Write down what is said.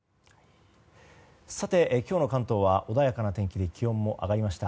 今日の関東は穏やかな天気で気温も上がりました。